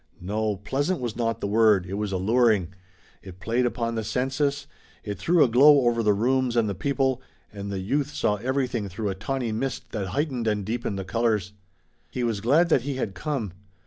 No, "pleasant" was not the word, it was alluring, it played upon the senses, it threw a glow over the rooms and the people, and the youth saw everything through a tawny mist that heightened and deepened the colors. He was glad that he had come.